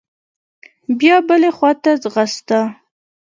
بيا بلې خوا ته ځغسته.